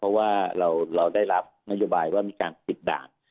เพราะว่าเราได้รับนโยบายว่ามีการปิดด่าน